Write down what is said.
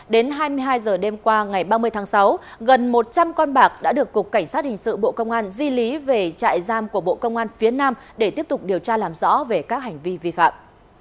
đến hai mươi hai h đêm qua ngày ba mươi tháng sáu gần một trăm linh con bạc đã được cục cảnh sát hình sự bộ công an di lý về trại giam của bộ công an phía nam để tiếp tục điều tra làm rõ về các hành vi vi phạm